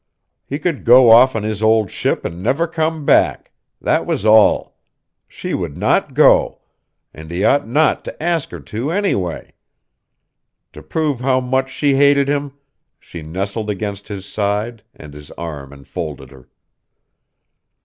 He could go off on his old ship and never come back. That was all. She would not go; and he ought not to ask her to, anyway. To prove how much she hated him, she nestled against his side, and his arm enfolded her.